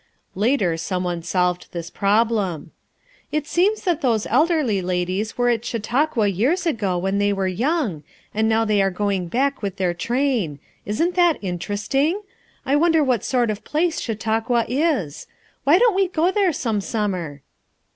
Later, some one solved this problem. "It seems that those elderly ladies were at Chau tauqua years ago when they were young, and now they are going back with their train; isn't that interesting? I wonder what sort of place Chautauqua is? Why don't we go there some summer?"